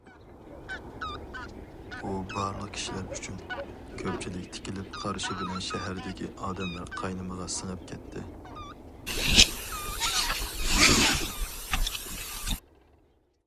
ئۇ بارلىق كىشىلەر ئۈچۈن، كۆپچىلىك تىكىلىپ قارىشى بىلەن شەھەردىكى ئادەملەر قاينىمىغا سىڭىپ كەتتى.